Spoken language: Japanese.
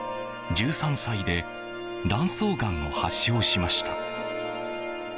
１３歳で卵巣がんを発症しました。